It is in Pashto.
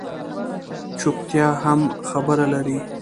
چُپتیا هم خبره لري